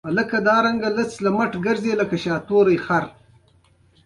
ازادي راډیو د د کانونو استخراج پر وړاندې د حل لارې وړاندې کړي.